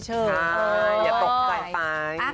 ใช่อย่าตกใจไป